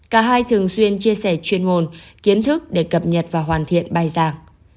cả hai thường xuyên chia sẻ chuyên môn kiến thức để cập nhật và hoàn thiện bài giảng